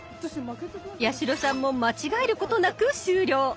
八代さんも間違えることなく終了。